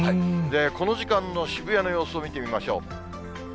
この時間の渋谷の様子を見てみましょう。